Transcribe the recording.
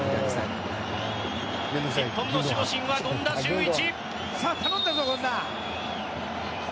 日本の守護神は権田修一。